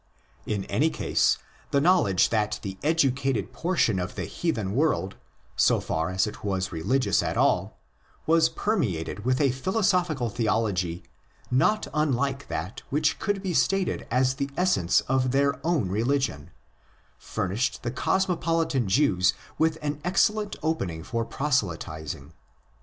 In any case, the knowledge that the educated portion of the heathen world, so far as it was religious at all, was permeated with a philosophical theology not unlike that which could be stated as the essence of their own religion, furnished the cosmopolitan Jews with an excellent opening for proselytising.